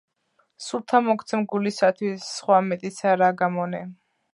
სულთა მოგცემ გულისათვის, სხვა მეტიცა რა გამონე!